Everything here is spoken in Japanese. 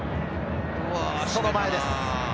その前です。